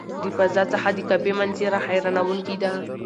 د فضا څخه د کعبې منظره حیرانوونکې ده.